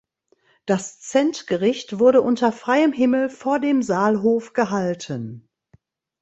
Das Zentgericht wurde unter freiem Himmel vor dem Saalhof gehalten.